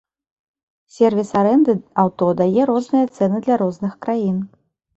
Сервіс арэнды аўто дае розныя цэны для розных краін!